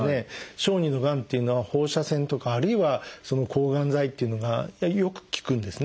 小児のがんというのは放射線とかあるいは抗がん剤っていうのがよく効くんですね。